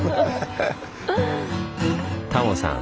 タモさん